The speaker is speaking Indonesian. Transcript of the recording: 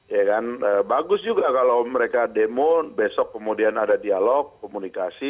ya kan bagus juga kalau mereka demo besok kemudian ada dialog komunikasi